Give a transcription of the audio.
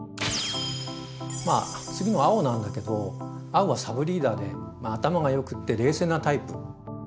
まあ次の青なんだけど青はサブリーダーで頭がよくって冷静なタイプ。